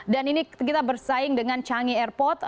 dan ini kita bersaing dengan changi airport